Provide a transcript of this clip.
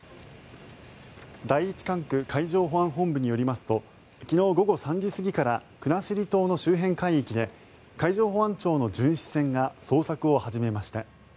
第一管区海上保安本部によりますと昨日午後３時過ぎから国後島の周辺海域で海上保安庁の巡視船が捜索を始めました。